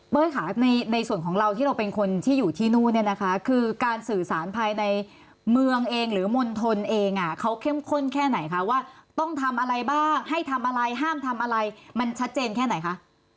ค่ะในส่วนของเราที่เราเป็นคนที่อยู่ที่นู่นเนี่ยนะคะคือการสื่อสารภายในเมืองเองหรือมณฑลเองเขาเข้มข้นแค่ไหนคะว่าต้องทำอะไรบ้างให้ทำอะไรห้ามทำอะไรมันชัดเจนแค่ไหนคะ